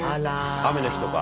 雨の日とか？